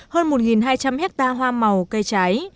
hơn một hai trăm linh hectare hoa màu cây trái